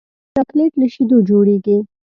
چاکلېټ له شیدو جوړېږي.